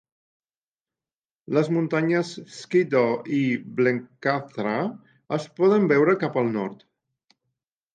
Les muntanyes Skiddaw i Blencathra es poden veure cap al nord.